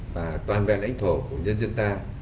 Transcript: và toàn vẹn lãnh thổ của nhân dân ta